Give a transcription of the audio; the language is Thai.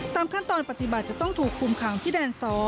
ขั้นตอนปฏิบัติจะต้องถูกคุมขังที่แดน๒